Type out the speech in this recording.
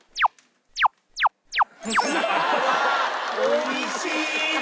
「おいしい」だ！